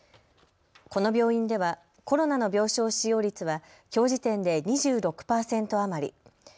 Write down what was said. この病院ではコロナの病床使用率は、きょう時点で２６％余り。